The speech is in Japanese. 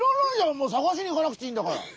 もう探しに行かなくていいんだから。